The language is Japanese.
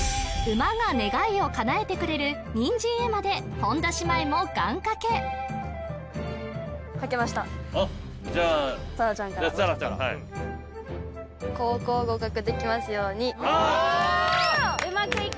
馬が願いをかなえてくれるにんじん絵馬で本田姉妹も願掛けあっじゃあ紗来ちゃんからうまくいく！